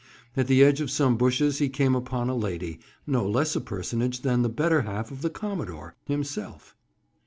At the edge of some bushes he came upon a lady—no less a personage than the better half of the commodore, himself.